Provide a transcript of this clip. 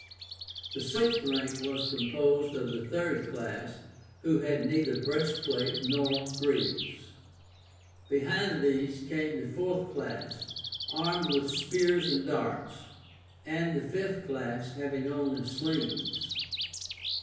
The sixth rank was composed of the third class, who had neither breastplate nor greaves. Behind these came the fourth class, armed with spears and darts, and the fifth class, having only slings.